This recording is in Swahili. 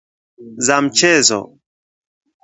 za mchezo